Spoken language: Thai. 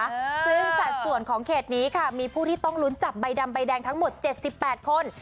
ซึ่งจากส่วนของเขตนี้ค่ะมีผู้ที่ต้องลุ้นจับใบดำใบแดงทั้งหมด๗๘คน